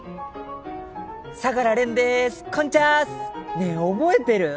ねえ覚えてる？